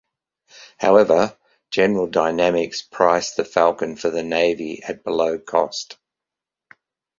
However, General Dynamics priced the Falcon for the Navy at below cost.